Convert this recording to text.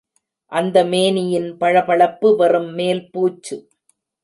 அந்த மேனியின் பளபளப்பு, வெறும் மேல் பூச்சு!